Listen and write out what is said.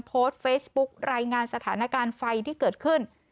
โพสต์เฟซบุ๊กรายงานสถานการณ์ไฟที่เกิดขึ้น